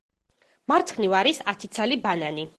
მარცხნივ არის ათი ცალი ბანანი.